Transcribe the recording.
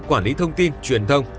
quản lý thông tin truyền thông